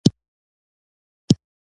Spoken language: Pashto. د بښنې غوښتل د زړه رڼا ده.